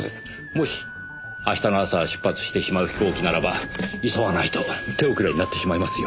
もし明日の朝出発してしまう飛行機ならば急がないと手遅れになってしまいますよ。